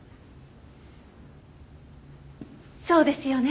そうですよね？